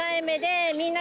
みんな。